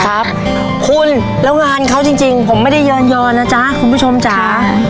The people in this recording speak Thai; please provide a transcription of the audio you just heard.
ครับคุณแล้วงานเขาจริงผมไม่ได้ย้อนนะจ๊ะคุณผู้ชมจ๋า